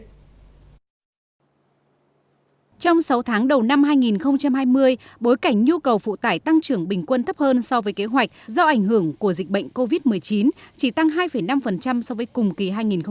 trong sáu tháng đầu năm hai nghìn hai mươi bối cảnh nhu cầu phụ tải tăng trưởng bình quân thấp hơn so với kế hoạch do ảnh hưởng của dịch bệnh covid một mươi chín chỉ tăng hai năm so với cùng kỳ hai nghìn một mươi chín